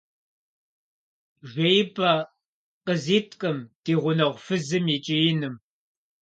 Жеипӏэ къызиткъым ди гъунэгъу фызым и кӏииным.